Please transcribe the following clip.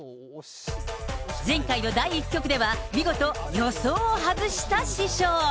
前回の第１局では、見事予想を外した師匠。